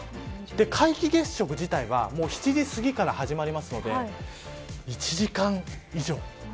皆既月食自体は７時すぎから始まるので１時間以上。